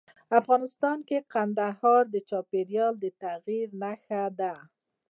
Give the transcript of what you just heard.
افغانستان کې کندهار د چاپېریال د تغیر نښه ده.